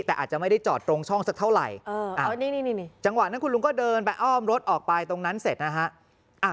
แต่อาจจะไม่ได้จอดตรงช่องสักเท่าไหร่จังหวะนั้นคุณลุงก็เดินไปอ้อมรถออกไปตรงนั้นเสร็จนะฮะ